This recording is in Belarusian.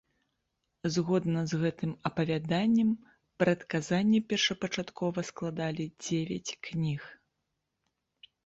Згодна з гэтым апавяданнем, прадказанні першапачаткова складалі дзевяць кніг.